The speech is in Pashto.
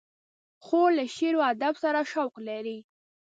خور له شعر و ادب سره شوق لري.